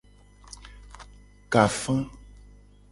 Ka afa.